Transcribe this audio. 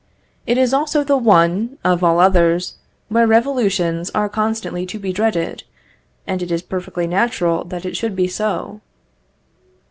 It is also the one, of all others, where revolutions are constantly to be dreaded, and it is perfectly natural that it should be so.